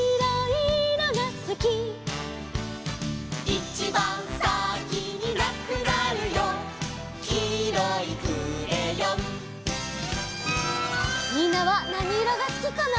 「いちばんさきになくなるよ」「きいろいクレヨン」みんなはなにいろがすきかな？